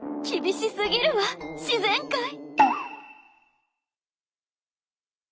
厳しすぎるわ自然界。